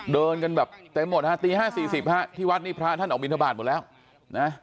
เดินกันแบบเต็มหมดฮะตี๕๔๕ที่วัดนี้พระท่านออกมินทบาทหมดแล้วนะ